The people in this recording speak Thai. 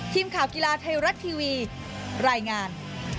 ทีมข่าวกีฬาไทยรัฐทีวีรายงาน